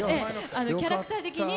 キャラクター的に。